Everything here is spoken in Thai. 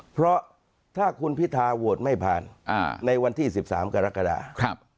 เพราะถ้าคุณพิธาโหวตไม่ผ่านในวันที่๑๓กรกฎา